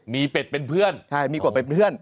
มีเป็ดเป็นเพื่อนมีกฎเป็นเพื่อน